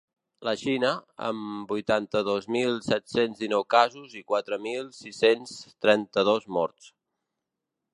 La Xina, amb vuitanta-dos mil set-cents dinou casos i quatre mil sis-cents trenta-dos morts.